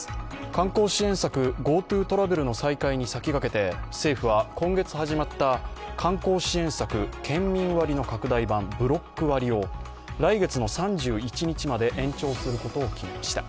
観光支援策、ＧｏＴｏトラベルの再開に先駆けて政府は今月始まった観光支援策県民割の拡大版ブロック割を来月の３１日まで延長することを決めました。